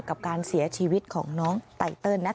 กับการเสียชีวิตของน้องไตเติล